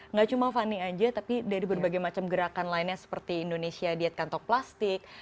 nggak cuma fanny aja tapi dari berbagai macam gerakan lainnya seperti indonesia diet kantong plastik